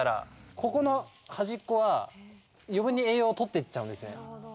ここの端っこは、余分に栄養を取っていっちゃうんですね。